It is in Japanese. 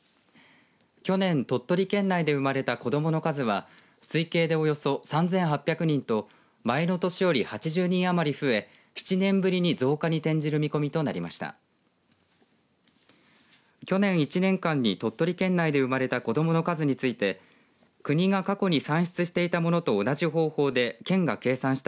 去年、鳥取県内で生まれた子どもの数は推計で、およそ３８００人と前の年より８０人余り増え７年ぶりに増加に転じる見込みとなりました。